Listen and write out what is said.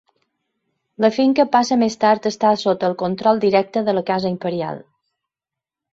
La finca passa més tard a estar sota el control directe de la casa imperial.